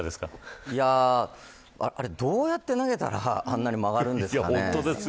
どうやって投げたらあんなに曲がるんですかね。